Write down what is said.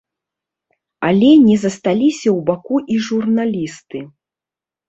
Але не засталіся ў баку і журналісты.